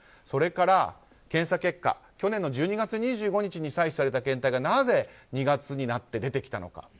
それから、検査結果去年の１２月２５日に採取された検体がなぜ２月になって出てきたのか。